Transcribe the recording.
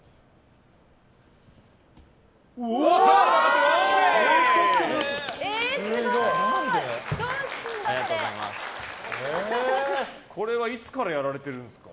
すごい！これはいつからやられているんですか？